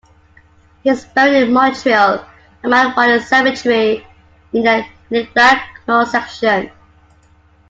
He is buried in Montreal, at Mount Royal Cemetery in the Lilac Knoll section.